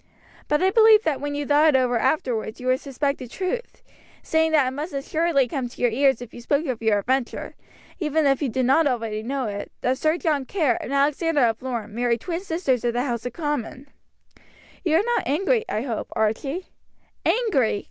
But I believed that when you thought it over afterwards you would suspect the truth, seeing that it must assuredly come to your ears if you spoke of your adventure, even if you did not already know it, that Sir John Kerr and Alexander of Lorne married twin sisters of the house of Comyn. You are not angry, I hope, Archie?" "Angry!"